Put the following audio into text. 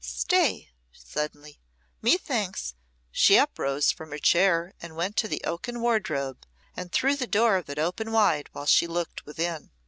Stay," suddenly; "methinks " She uprose from her chair and went to the oaken wardrobe, and threw the door of it open wide while she looked within.